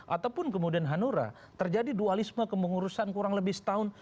ataupun kemudian hanura terjadi dualisme kepengurusan kurang lebih setahun